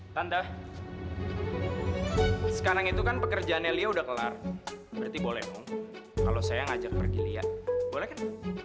tanda sekarang itu kan pekerjaannya lia udah kelar berarti boleh dong kalau saya ngajak pergi lihat boleh kan